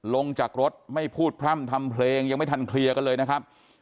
ลงจากรถไม่พูดพร่ำทำเพลงยังไม่ทันเคลียร์กันเลยนะครับ